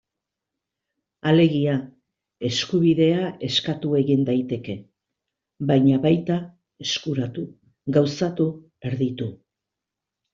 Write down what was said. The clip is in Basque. Alegia, eskubidea eskatu egin daiteke, baina baita eskuratu, gauzatu, erditu...